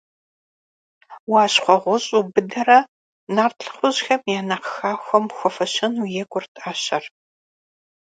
Уащхъуэ гъущӏу быдэрэ, нарт лӏыхъужьхэм я нэхъ хахуэм хуэфэщэну екӏурт ӏэщэр.